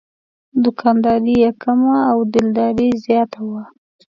دوکانداري یې کمه او دلداري زیاته وه.